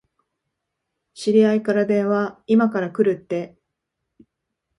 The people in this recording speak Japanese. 知り合いから電話、いまから来るって。